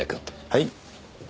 はい。